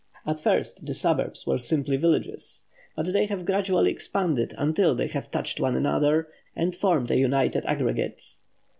At first the suburbs were simply villages; but they have gradually expanded until they have touched one another, and formed a united aggregate.